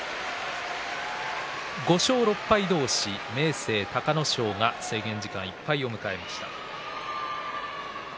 ５勝６敗同士明生、隆の勝が制限時間いっぱいを迎えました。